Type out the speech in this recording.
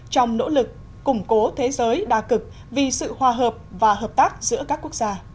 trong nỗ lực củng cố thế giới đa cực vì sự hòa hợp và hợp tác giữa các quốc gia